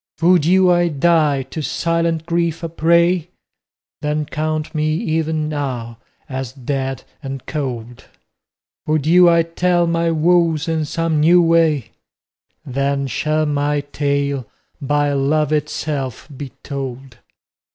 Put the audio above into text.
Would you I die, to silent grief a prey? Then count me even now as dead and cold; Would you I tell my woes in some new way? Then shall my tale by Love itself be told.